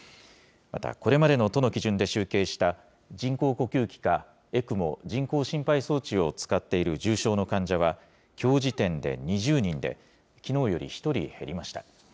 またこれまでの都の基準で集計した人工呼吸器かＥＣＭＯ・人工心肺装置を使っている重症の患者は、きょう時点で２０人で、きのうより１人減りました。